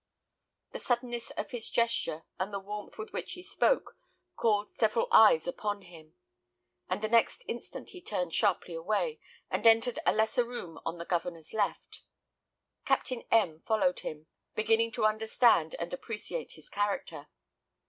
The suddenness of his gesture, and the warmth with which he spoke, called several eyes upon him; and the next instant he turned sharply away, and entered a lesser room on the Governor's left. Captain M followed him, beginning to understand and appreciate his character.